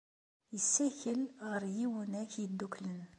Yessakel ɣer Yiwunak Yeddukklen.